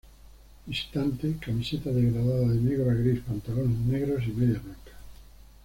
Visitante: Camiseta degradada de negro a gris, pantalones negros y medias blancas.